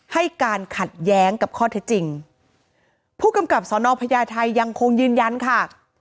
ให้การขัดแย้งกับข้อเท็จจริงผู้กำกับสอนอพญาไทยยังคงยืนยันค่ะ